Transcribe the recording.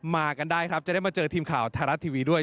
มากันได้ครับจะได้มาเจอทีมข่าวไทยรัฐทีวีด้วย